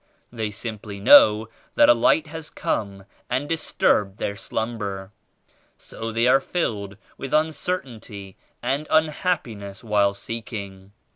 They simply know that a Light has come and disturbed their slumber. So they are filled with uncertainty and unhappi ness while seeking.